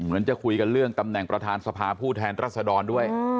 เหมือนจะคุยกันเรื่องตำแหน่งประธานสภาผู้แทนรัศดรด้วย